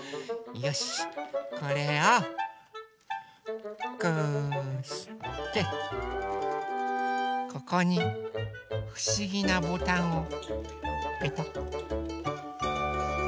これをこうしてここにふしぎなボタンをペタッペタッ。